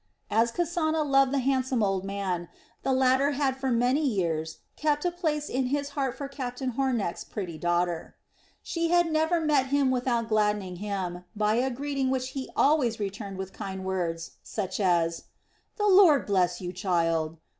As Kasana loved the handsome old man, the latter had for many years kept a place in his heart for Captain Homecht's pretty daughter. She had never met him without gladdening him by a greeting which he always returned with kind words, such as: "The Lord bless you, child!"